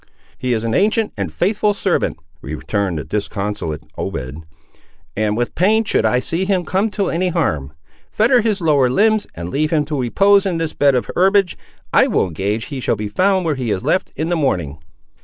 "He is an ancient and faithful servant," returned the disconsolate Obed, "and with pain should I see him come to any harm. Fetter his lower limbs, and leave him to repose in this bed of herbage. I will engage he shall be found where he is left, in the morning."